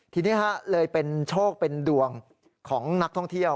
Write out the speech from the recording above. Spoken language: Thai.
ทีนี้เลยเป็นโชคเป็นดวงของนักท่องเที่ยว